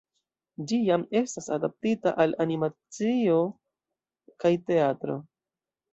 Ĝi jam estas adaptita al animacio kaj teatro.